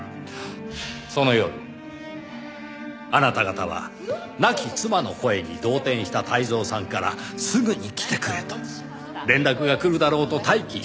その夜あなた方は亡き妻の声に動転した泰造さんからすぐに来てくれと連絡が来るだろうと待機していた。